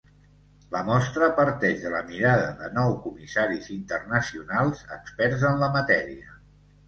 La mostra parteix de la mirada de nou comissaris internacionals experts en la matèria.